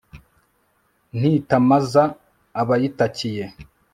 ntitamaza abayitakiye